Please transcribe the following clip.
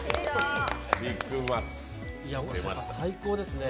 最高ですね。